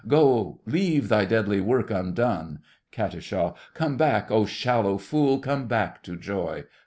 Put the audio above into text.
Go, leave thy deadly work undone! KAT. Come back, oh, shallow fool! come back to joy!